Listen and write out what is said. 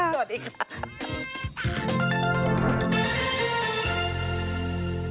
สวัสดีค่ะ